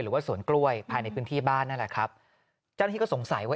หรือว่าสวนกล้วยภายในพื้นที่บ้านนั่นแหละครับเจ้าหน้าที่ก็สงสัยว่า